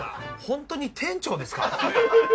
本当に店長ですか？